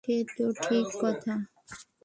সে তো ঠিক কথা ।